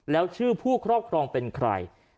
แล้วชื่อผู้ครอบครองเป็นใคร